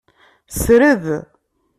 Sred.